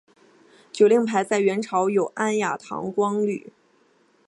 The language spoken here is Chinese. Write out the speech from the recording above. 酒令牌在元朝有安雅堂觥律。